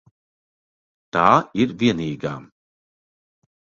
Tā ir vienīgā.